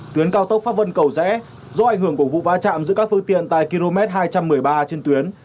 tuyến cao tốc pháp vân cầu rẽ do ảnh hưởng của vụ va chạm giữa các phương tiện tại km hai trăm một mươi ba trên tuyến